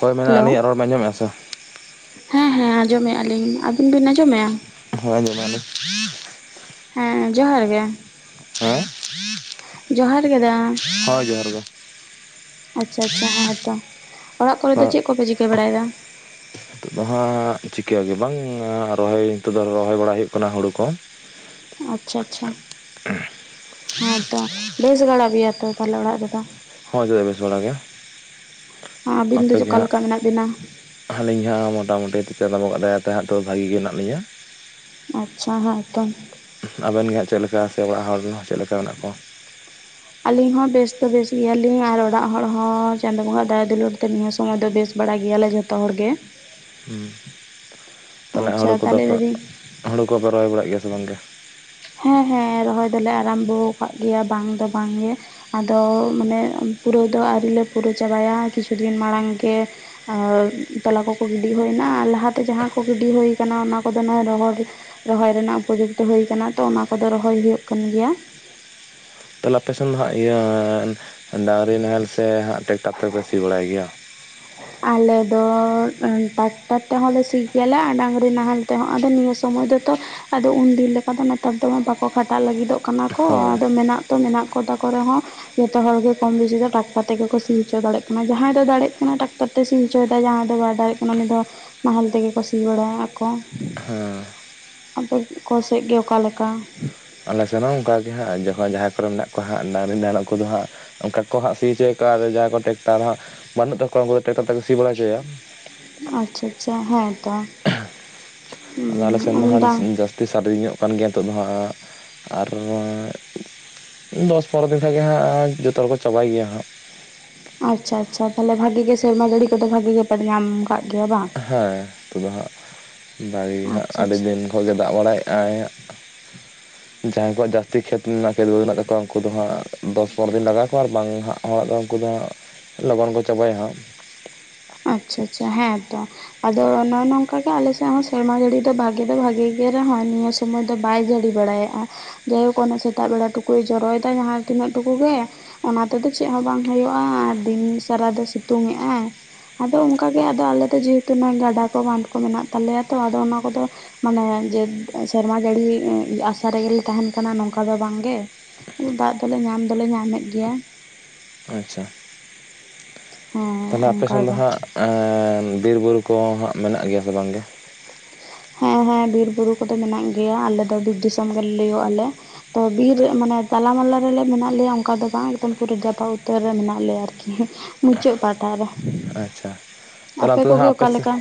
ᱦᱳᱭ ᱢᱟᱱᱮ ᱦᱮᱞᱳ ᱟᱹᱞᱤᱧᱟᱜ ᱨᱚᱲ ᱮᱢ ᱟᱸᱡᱚᱢᱮᱜᱼᱟ ᱥᱮ ᱵᱟᱝ? ᱦᱮᱸ ᱦᱮᱸ ᱟᱸᱡᱚᱢᱮᱜᱼᱟ ᱞᱤᱧ, ᱟᱵᱤᱱ ᱵᱤᱱ ᱟᱸᱡᱚᱢᱮᱜᱼᱟ? ᱦᱮᱸ ᱟᱸᱡᱚᱢᱮᱜᱼᱟ ᱞᱤᱧ। ᱦᱮᱸ ᱡᱚᱦᱟᱨ ᱜᱮ। ᱦᱮᱸ? [inaudible] ᱡᱚᱦᱟᱨ ᱜᱮ ᱫᱟ। ᱦᱳᱭ ᱡᱚᱦᱟᱨ ᱜᱮ। ᱟᱪᱪᱷᱟ ᱟᱪᱪᱷᱟ ᱦᱮᱸ ᱛᱚ। ᱚᱲᱟᱜ ᱠᱚᱨᱮᱫ ᱫᱚ ᱪᱮᱫ ᱠᱚᱯᱮ ᱪᱤᱠᱟᱹ ᱵᱟᱲᱟᱭᱮᱫᱟ? ᱱᱤᱛᱚᱜ ᱫᱚ ᱦᱟᱸᱜ ᱪᱤᱠᱟᱹ ᱜᱮ ᱵᱟᱝ। ᱨᱚᱦᱚᱭ ᱱᱤᱛᱚᱜ ᱫᱚ ᱨᱚᱦᱚᱭ ᱵᱟᱲᱟᱭ ᱦᱩᱭᱩᱜ ᱠᱟᱱᱟ ᱦᱩᱲᱩ ᱠᱚ। ᱟᱪᱪᱷᱟ ᱟᱪᱪᱷᱟ ᱦᱮᱸᱛᱚ। ᱵᱮᱥ ᱵᱟᱲᱟ ᱜᱮᱭᱟ ᱛᱚ ᱛᱟᱦᱟᱞᱮ ᱚᱲᱟᱜ ᱨᱮᱫᱚ? ᱦᱳᱭ [inaudible] ᱵᱮᱥ ᱵᱟᱲᱟ ᱜᱮ᱾ ᱟᱵᱤᱱ ᱫᱚ ᱟᱯᱮᱜᱮ ᱚᱠᱟ ᱦᱟᱸᱜ ᱞᱮᱠᱟ ᱢᱮᱱᱟᱜ ᱵᱤᱱᱟ? ᱟᱹᱞᱤᱧ ᱦᱟᱸᱜ ᱢᱚᱴᱟᱢᱩᱴᱤ ᱪᱟᱸᱫᱚ ᱵᱚᱸᱜᱟᱣᱟᱜ ᱫᱟᱭᱟ ᱛᱮ ᱦᱟᱸᱜ ᱛᱚ ᱵᱷᱟᱜᱮ ᱜᱮ ᱢᱮᱱᱟᱜ ᱞᱤᱧᱟᱹ। ᱟᱪᱪᱷᱟ ᱦᱮᱸ ᱛᱚ। ᱟᱵᱮᱱ ᱜᱮ ᱦᱟᱸᱜ ᱪᱮᱫ ᱞᱮᱠᱟ? ᱥᱮ ᱚᱲᱟᱜ ᱦᱚᱲ ᱨᱮᱱ ᱦᱚᱸ ᱪᱮᱫ ᱞᱮᱠᱟ ᱢᱮᱱᱟᱜ ᱠᱚᱣᱟ? [inaudible] ᱟᱹᱞᱤᱧ ᱦᱚᱸ ᱵᱮᱥ ᱫᱚ ᱵᱮᱥ ᱜᱮᱭᱟᱞᱤᱧ। ᱟᱨ ᱚᱲᱟᱜ ᱦᱚᱲ ᱦᱚᱸ ᱪᱟᱸᱫᱳ ᱵᱚᱸᱜᱟᱦᱟᱜ ᱫᱟᱭᱟ ᱫᱩᱞᱟᱹᱲ ᱛᱮ, ᱱᱤᱭᱟᱹ ᱥᱚᱢᱚᱭ ᱫᱚ ᱵᱮᱥ ᱼᱼ ᱵᱟᱲᱟ ᱜᱮᱭᱟ ᱞᱮ ᱡᱷᱚᱛᱚ ᱦᱚᱲ ᱜᱮ᱾ ᱦᱩᱸ᱾ ᱛᱟᱦᱟᱞᱮ ᱟᱪᱪᱷᱟ ᱦᱳᱲᱳ ᱠᱚᱫᱚ ᱛᱟᱦᱚᱞᱮ ᱯᱮ, ᱞᱟᱹᱭᱫᱟᱹᱧ ᱦᱳᱲᱳ ᱠᱚᱯᱮ ᱨᱚᱦᱚᱭ ᱵᱟᱲᱟᱜ ᱜᱮᱭᱟ ᱥᱮ ᱵᱟᱝᱜᱮ? ᱦᱮᱸ ᱦᱮᱸ ᱨᱚᱦᱚᱭ ᱫᱚᱞᱮ ᱟᱨᱟᱢᱵᱚ ᱟᱠᱟᱫ ᱜᱮᱭᱟ᱾ ᱵᱟᱝ ᱫᱚ ᱵᱟᱝ ᱜᱮ᱾ ᱟᱫᱚ ᱢᱟᱱᱮ ᱯᱩᱨᱟᱹᱣ ᱫᱚ ᱟᱹᱣᱨᱤ ᱞᱮ ᱯᱩᱨᱟᱹᱣ ᱪᱟᱵᱟᱭᱟ᱾ ᱠᱤᱪᱷᱩ ᱫᱤᱱ ᱢᱟᱲᱟᱝ ᱜᱮ ᱼᱼ ᱟᱨ ᱛᱚᱞᱟ ᱠᱚᱠᱚ ᱜᱤᱰᱤ ᱦᱩᱭᱱᱟ᱾ ᱟᱨ ᱞᱟᱦᱟᱛᱮ ᱡᱟᱦᱟᱸ ᱠᱚ ᱜᱤᱰᱤ ᱦᱩᱭ ᱠᱟᱱᱟ, ᱚᱱᱟ ᱠᱚᱫᱚ ᱱᱟᱜ ᱨᱚᱦᱚᱲ ᱼᱼ ᱨᱚᱦᱚᱭ ᱨᱮᱱᱟᱜ ᱩᱯᱚᱡᱩᱠᱛᱚ ᱦᱩᱭ ᱠᱟᱱᱟ᱾ ᱛᱚ ᱚᱱᱟ ᱠᱚᱫᱚ ᱨᱚᱦᱚᱭ ᱦᱩᱭᱩᱜ ᱠᱟᱱ ᱜᱮᱭᱟ᱾ ᱛᱟᱦᱚᱞᱮ ᱟᱯᱮᱥᱮᱱ ᱫᱚ ᱦᱟᱸᱜ ᱤᱭᱟᱹ ᱰᱟᱹᱝᱨᱤ ᱱᱟᱦᱮᱞ, ᱥᱮ ᱦᱟᱸᱜ ᱴᱮᱠᱴᱟᱨ ᱛᱮᱯᱮ ᱥᱤ ᱵᱟᱲᱟᱭ ᱜᱮᱭᱟ? ᱟᱞᱮ ᱫᱚ ᱴᱨᱟᱠᱴᱟᱨ ᱛᱮᱦᱚᱸᱞᱮ ᱥᱤ ᱜᱮᱭᱟᱞᱮ, ᱟᱨ ᱰᱟᱹᱝᱨᱤ ᱱᱟᱦᱮᱞ ᱼᱼ ᱛᱮᱦᱚᱸ᱾ ᱟᱫᱚ ᱱᱤᱭᱟᱹ ᱥᱚᱢᱚᱭ ᱫᱚᱛᱚ ᱼᱼ ᱟᱫᱚ ᱩᱱᱫᱤᱱ ᱞᱮᱠᱟ ᱫᱚ ᱱᱮᱛᱟᱨ ᱫᱚ ᱵᱟᱠᱚ ᱠᱷᱟᱴᱟᱜ ᱞᱟᱹᱜᱤᱫᱚᱜ ᱠᱟᱱᱟ ᱠᱚ᱾ ᱦᱳᱭ ᱟᱫᱚ ᱢᱮᱱᱟᱜ ᱛᱚ ᱢᱮᱱᱟᱜ ᱠᱚ ᱛᱟᱠᱚ ᱨᱮᱦᱚᱸ ᱼᱼ ᱡᱷᱚᱛᱚ ᱦᱚᱲ ᱜᱮ ᱠᱚᱢ ᱵᱮᱥᱤ ᱫᱚ ᱴᱨᱟᱠᱴᱟᱨ ᱛᱮᱜᱮ ᱠᱚ ᱥᱤ ᱦᱚᱪᱚ ᱫᱟᱲᱮᱜ ᱠᱟᱱᱟ᱾ ᱡᱟᱦᱟᱸᱭ ᱫᱚ ᱫᱟᱲᱮᱜ ᱠᱟᱱᱟ ᱴᱨᱟᱠᱴᱟᱨ ᱼᱼ ᱛᱮ ᱥᱤ ᱦᱚᱪᱚᱭᱮᱫᱟ᱾ ᱡᱟᱦᱟᱸᱭ ᱫᱚ ᱵᱟᱭ ᱫᱟᱲᱮᱜ ᱠᱟᱱᱟ, ᱩᱱᱤ ᱫᱚ ᱱᱟᱦᱮᱞ ᱛᱮᱜᱮ ᱠᱚ ᱥᱤ ᱵᱟᱲᱟᱭ ᱟᱠᱚ᱾ ᱟᱯᱮ ᱠᱚ ᱥᱮᱫ ᱜᱮ ᱚᱠᱟ ᱞᱮᱠᱟ? ᱟᱞᱮ ᱥᱮᱱ ᱦᱚᱸ ᱚᱱᱠᱟ ᱜᱮ ᱦᱟᱸᱜ᱾ ᱡᱚᱠᱷᱚᱱ ᱡᱟᱦᱟᱸᱭ ᱠᱚᱨᱮ ᱢᱮᱱᱟᱜ ᱠᱚᱣᱟ ᱦᱟᱸᱜ ᱰᱟᱹᱝᱨᱤ ᱱᱟᱦᱮᱞ ᱩᱱᱠᱩ ᱫᱚ ᱦᱟᱸᱜ᱾ ᱚᱱᱠᱟ ᱠᱚ ᱦᱟᱸᱜ ᱥᱤ ᱦᱚᱪᱚᱭᱟᱠᱚ ᱟᱨ ᱡᱟᱦᱟᱸᱭ ᱠᱚ ᱴᱨᱟᱠᱴᱟᱨ ᱦᱟᱸᱜ ᱵᱟᱹᱱᱩᱜ ᱛᱟᱠᱚᱣᱟ, ᱩᱱᱠᱩ ᱫᱚ ᱴᱨᱟᱠᱴᱟᱨ ᱛᱮᱠᱚ ᱥᱤ ᱵᱟᱲᱟ ᱦᱚᱪᱚᱭᱟ᱾ ᱟᱪᱪᱷᱟ ᱟᱪᱪᱷᱟ ᱦᱮᱸ ᱛᱚ᱾ ᱟᱫᱚ ᱟᱞᱮ ᱥᱮᱱ ᱫᱚ ᱦᱟᱸᱜ, ᱵᱟᱝ ᱡᱟᱹᱥᱛᱤ ᱥᱟᱨᱫᱤ ᱧᱚᱜ ᱠᱟᱱ ᱜᱮᱭᱟ ᱱᱤᱛᱚᱜ ᱫᱚ ᱦᱟᱸᱜ᱾ ᱟᱨ ᱼᱼ ᱫᱚᱥ ᱯᱚᱱᱨᱚ ᱫᱤᱱ ᱠᱷᱟᱱ ᱜᱮ ᱦᱟᱸᱜ, ᱡᱷᱚᱛᱚ ᱦᱚᱲᱠᱚ ᱪᱟᱵᱟᱭ ᱜᱮᱭᱟ ᱦᱟᱸᱜ᱾ ᱟᱪᱪᱷᱟ ᱟᱪᱪᱷᱟ᱾ ᱛᱟᱦᱚᱞᱮ ᱵᱷᱟᱜᱮ ᱜᱮ ᱥᱮᱨᱢᱟ ᱡᱟᱹᱲᱤ ᱠᱚ ᱫᱚ ᱵᱷᱟᱜᱮ ᱜᱮ ᱯᱮ ᱧᱟᱢ ᱼᱼ ᱦᱮᱸ ᱛᱚᱵᱩ ᱦᱟᱸᱜ ᱵᱟᱹᱲᱤ ᱦᱟᱸᱜ ᱟᱪᱪᱷᱟ ᱟᱹᱰᱤ ᱟᱪᱪᱷᱟ ᱫᱤᱱ ᱠᱷᱚᱡ ᱜᱮ ᱫᱟᱜ ᱵᱟᱲᱟᱭᱮᱫ ᱟᱭ ᱦᱟᱸᱜ᱾ ᱡᱟᱦᱟᱸᱭ ᱠᱚᱣᱟᱜ ᱡᱟᱹᱥᱛᱤ ᱠᱷᱮᱛ ᱨᱮᱱᱟᱜ ᱠᱷᱮᱛ ᱵᱟᱹᱫᱽ ᱢᱮᱱᱟᱜ ᱛᱟᱠᱚᱣᱟ᱾ ᱩᱱᱠᱩ ᱫᱚ ᱦᱟᱸᱜ ᱼᱼ ᱫᱚᱥ ᱯᱚᱱᱨᱚ ᱫᱤᱱ ᱞᱟᱜᱟᱣ ᱟᱠᱚᱣᱟ ᱟᱨ ᱵᱟᱝ ᱦᱟᱸᱜ ᱦᱚᱲᱟᱜ ᱫᱚ ᱩᱱᱠᱩ ᱫᱚ ᱦᱟᱸᱜ ᱞᱚᱜᱚᱱ ᱠᱚ ᱪᱟᱵᱟᱭᱟ ᱦᱟᱸᱜ᱾ ᱟᱪᱪᱷᱟ ᱟᱪᱪᱷᱟ ᱦᱮᱸ ᱛᱚ᱾ ᱟᱫᱚ ᱱᱚ-ᱚᱭ ᱱᱚᱝᱠᱟ ᱜᱮ ᱟᱞᱮ ᱥᱮᱫ ᱦᱚᱸ ᱥᱮᱨᱢᱟ ᱡᱟᱹᱲᱤ ᱫᱚ ᱵᱷᱟᱜᱮ ᱫᱚ ᱵᱷᱟᱜᱮ ᱫᱚ ᱵᱷᱟᱜᱣ ᱜᱮ ᱨᱮᱦᱚ, ᱱᱤᱭᱟᱹ ᱥᱚᱢᱚᱭ ᱫᱚ ᱵᱟᱭ ᱡᱟᱹᱲᱤ ᱵᱟᱲᱟᱭᱟᱜᱼᱟ᱾ ᱡᱟᱭᱦᱳᱠ ᱚᱱᱟ ᱥᱮᱛᱟᱜ ᱵᱮᱲᱟ ᱴᱩᱠᱩᱭ ᱡᱚᱨᱚᱭᱮᱫᱟ ᱡᱟᱦᱟᱸ ᱛᱤᱱᱟᱹᱜ ᱴᱩᱠᱩ ᱜᱮ ᱚᱱᱟ ᱛᱮᱫᱚ ᱪᱮᱫ ᱦᱚᱸ ᱵᱟᱝ ᱦᱩᱭᱩᱜᱼᱟ ᱟᱨ ᱫᱤᱱ ᱥᱟᱨᱟ ᱫᱚ ᱥᱤᱛᱩᱝ ᱮᱜᱼᱟᱭ᱾ ᱟᱫᱚ ᱚᱱᱠᱟ ᱜᱮ ᱟᱫᱚ ᱟᱞᱮ ᱫᱚ ᱡᱮᱦᱮᱛᱩ ᱱᱚᱼᱚᱭ ᱜᱟᱰᱟ ᱠᱚ ᱵᱟᱸᱫᱷ ᱠᱚ ᱢᱮᱱᱟᱜ ᱛᱟᱞᱮᱭᱟ ᱛᱚ ᱟᱫᱚ ᱚᱱᱟ ᱠᱚᱫᱚ ᱢᱟᱱᱮ ᱡᱮ ᱥᱮᱨᱢᱟ ᱡᱟᱹᱲᱤ ᱟᱥᱟ ᱨᱮᱜᱮᱞᱮ ᱛᱟᱦᱮᱸᱱ ᱠᱟᱱᱟ ᱱᱚᱝᱠᱟ ᱫᱚ ᱵᱟᱝᱜᱮ ᱫᱟᱜ ᱫᱚᱞᱮ ᱧᱟᱢ ᱫᱚᱞᱮ ᱧᱟᱢᱮᱫ ᱜᱮᱭᱟ᱾ ᱟᱪᱪᱷᱟ᱾ ᱦᱮᱸ ᱛᱟᱦᱚᱞᱮ ᱟᱯᱮ ᱥᱮᱱ ᱫᱚ ᱚᱱᱠᱟᱜᱮ ᱦᱟᱸᱜ ᱵᱤᱨᱵᱩᱨᱩ ᱠᱚ ᱦᱟᱸᱜ ᱢᱮᱱᱟᱜ ᱜᱮᱭᱟ ᱥᱮ ᱵᱟᱝᱜᱮ? ᱦᱮᱸ ᱦᱮᱸ ᱵᱤᱨᱵᱩᱨᱩ ᱠᱚᱫᱚ ᱢᱮᱱᱟᱜ ᱜᱮᱭᱟ ᱟᱞᱮ ᱫᱚ ᱵᱤᱨ ᱫᱤᱥᱚᱢ ᱜᱮᱞᱮ ᱞᱟᱹᱭᱚᱜ ᱟᱞᱮ᱾ ᱛᱚ ᱵᱤᱨ ᱢᱟᱱᱮ ᱛᱟᱞᱟᱢᱟᱞᱟ ᱨᱮᱞᱮ ᱢᱮᱱᱟᱜ ᱞᱮᱭᱟ ᱚᱱᱠᱟ ᱫᱚ ᱵᱟᱝ ᱮᱠᱫᱚᱢ ᱯᱩᱨᱟᱹ ᱡᱟᱯᱟ ᱩᱛᱟᱹᱨ ᱨᱮ ᱢᱮᱱᱟᱜ ᱞᱮᱭᱟ ᱟᱨᱠᱤ᱾ ᱢᱩᱪᱟᱹᱫ ᱯᱟᱦᱴᱟ ᱨᱮ ᱟᱪᱪᱷᱟ ᱛᱟᱦᱚᱞᱮ ᱚᱱᱛᱮ ᱫᱚ ᱠᱚᱜᱮ ᱦᱟᱸᱜ ᱟᱯᱮ ᱥᱮᱱ ᱚᱠᱟᱞᱮᱠᱟ